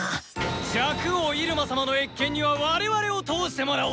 若王イルマ様の謁見には我々を通してもらおう！